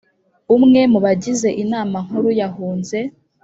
Umwe mu bagize Inama Nkuru yahunze